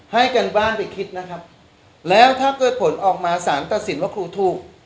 ให้กันบ้านไปคิดนะครับแล้วถ้าเกิดผลออกมาสารตัดสินว่าครูถูก